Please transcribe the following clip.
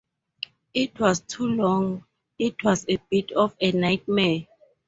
It was too long, it was a bit of a nightmare.